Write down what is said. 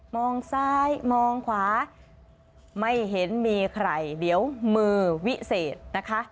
มองซ้ายมองขวาไม่เห็นมีใครเดี๋ยวมือวิเศษนะคะ